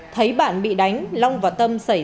thấy bạn bị đánh long và tâm xảy ra